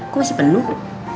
kok masih penuh